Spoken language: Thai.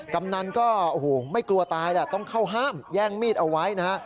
กำนันก็โอ้โหไม่กลัวตายแหละต้องเข้าห้ามแย่งมีดเอาไว้นะฮะ